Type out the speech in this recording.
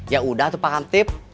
ya udah tuh pak kamtip